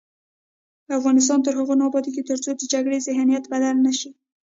افغانستان تر هغو نه ابادیږي، ترڅو د جګړې ذهنیت بدل نه شي.